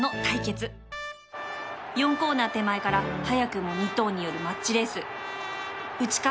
４コーナー手前から早くも２頭によるマッチレース内か？